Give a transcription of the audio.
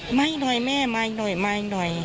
ก็ไหม้หน่อยแม่ไหม้หน่อยไหม้หน่อย